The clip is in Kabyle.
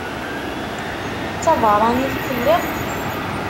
D tabeṛṛanit i telliḍ?